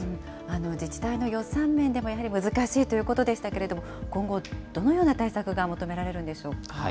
自治体の予算面でもやはり難しいということでしたけれども、今後どのような対策が求められるんでしょうか。